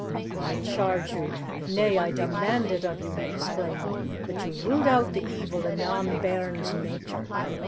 "I charge you nay, I demand it of you," he exclaimed "that you root out the evil in yon bairn's nature!